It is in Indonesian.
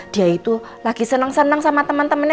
dia itu lagi seneng seneng sama temen temennya